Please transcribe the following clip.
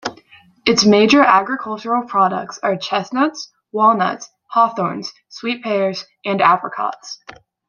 Its major agricultural products are chestnuts, walnuts, hawthorns, sweet pears, and apricots.